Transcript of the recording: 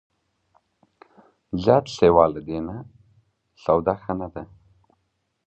زیات سیوا له دې نه، سودا ښه نه ده